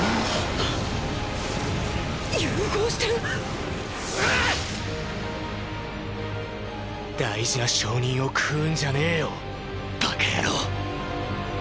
融合してる⁉大事な証人を食うんじゃねえよ馬鹿野郎。